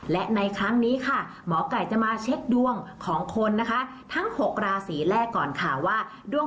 และในครั้งนี้ค่ะหมอก่ายจะมาเช็คดวง